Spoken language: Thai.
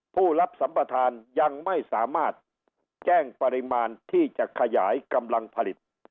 ผู้รับสัมประธานยังไม่สามารถแจ้งปริมาณที่จะขยายกำลังผลิต